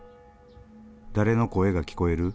誰の声が聞こえる？